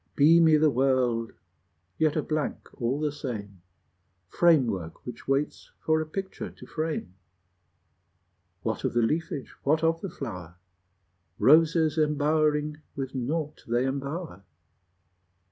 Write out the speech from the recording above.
Beamy the world, yet a blank all the same, Framework which waits for a picture to frame: What of the leafage, what of the flower? Roses embowering with naught they embower!